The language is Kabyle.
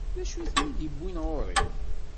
D acu i ten-id-iwwin ɣur-i?